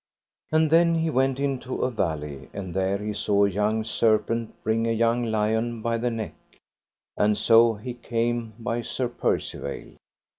And then he went into a valley, and there he saw a young serpent bring a young lion by the neck, and so he came by Sir Percivale.